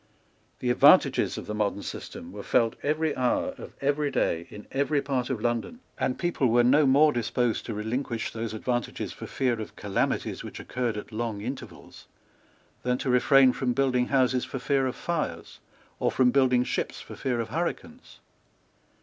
The advantages of the modern system were felt every hour of every day in every part of London; and people were no more disposed to relinquish those advantages for fear of calamities which occurred at long intervals than to refrain from building houses for fear of fires, or from building ships for fear of hurricanes.